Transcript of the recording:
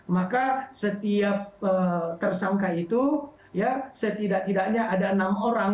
maka setiap tersangka itu ya setidak tidaknya ada enam orang